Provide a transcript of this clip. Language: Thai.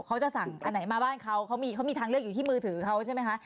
เขาจะสั่งอันไหนมาบ้านเขาเขามีทางเลือกอยู่ที่มือถือเขาใช่ไหมคะ